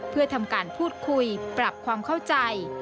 เพื่อทำการพูดคุยปรับความเข้าใจ